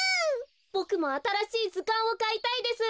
ボクもあたらしいずかんをかいたいです。